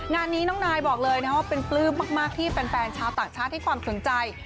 งานนี้น้องนายบอกเลยนะว่าเป็นปลื้มมากที่แฟนชาวต่างชาติให้ความสนใจ